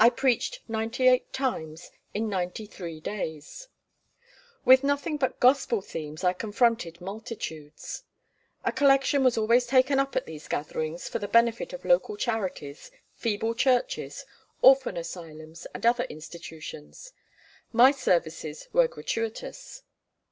I preached ninety eight times in ninety three days. With nothing but Gospel themes I confronted multitudes. A collection was always taken up at these gatherings for the benefit of local charities, feeble churches, orphan asylums and other institutions. My services were gratuitous.